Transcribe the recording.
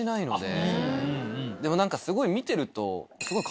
でも何かすごい見てると。